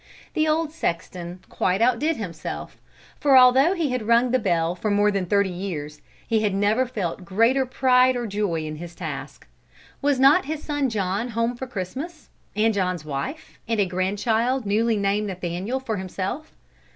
The old sexton quite outdid himself, for although he had rung the bell for more than thirty years, he had never felt greater pride or joy in his task. Was not his son John home for Christmas, and John's wife, and a grandchild newly named Nathaniel for himself?